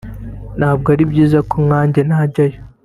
ntabwo ari byiza ko nkanjye najyayo